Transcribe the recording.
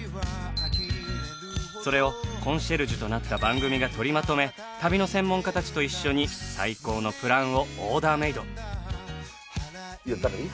それをコンシェルジュとなった番組が取りまとめ旅の専門家たちと一緒に最高のプランをオーダーメイド。